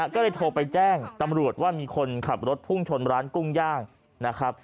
ก็เลยโทรไปแจ้งตำรวจว่ามีคนขับรถพุ่งชนร้านกุ้งย่างนะครับ